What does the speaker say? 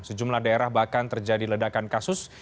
sejumlah daerah bahkan terjadi ledakan kasus